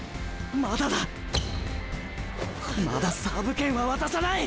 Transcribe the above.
「まだサーブ権は渡さない！」